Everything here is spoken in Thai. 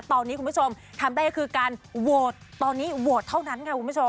ตอนนี้คุณผู้ชมทำได้ก็คือการโหวตตอนนี้โหวตเท่านั้นค่ะคุณผู้ชม